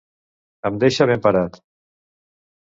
Em deixa ben parat.